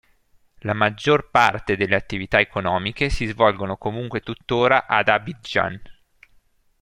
La maggior parte delle attività economiche si svolgono comunque tuttora ad Abidjan.